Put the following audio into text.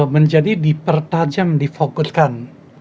menjadi dipertajam di fokus kan